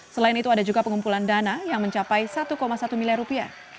selain itu ada juga pengumpulan dana yang mencapai satu satu miliar rupiah